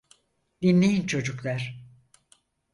Dinleyin çocuklar.